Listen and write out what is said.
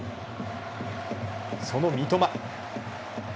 その三笘。